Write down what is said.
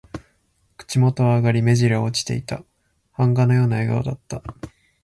口元は上がり、目じりは落ちていた。版画のような笑顔だった。